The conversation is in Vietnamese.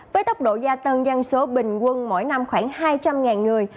với tốc độ gia tăng dân số bình quân mỗi năm khoảng hai trăm linh người